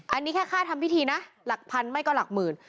อันนี้แค่ค่าทำพิธีนะหลักพันไม่ก็หลักหมื่น